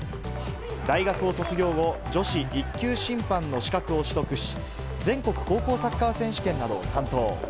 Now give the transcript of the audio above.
大学を卒業後、女子１級審判の資格を取得し、全国高校サッカー選手権などを担当。